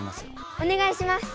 おねがいします！